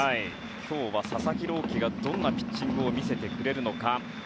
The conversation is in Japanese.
今日は佐々木朗希がどんなピッチングを見せてくれるのか。